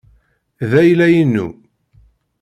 D ayla-inu.